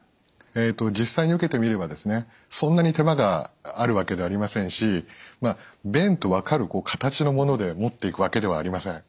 実際に受けてみればそんなに手間があるわけではありませんし便と分かる形のもので持っていくわけではありません。